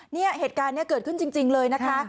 เนี่ยเหตุการณ์นี้เกิดขึ้นจริงเลยนะคะ